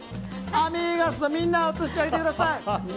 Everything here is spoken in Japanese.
アミーガスのみんなを映してあげてください！